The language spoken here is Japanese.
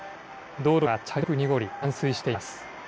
道路が茶色く濁り、冠水しています。